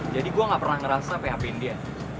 jadi gue gak pernah ngerasa php in dia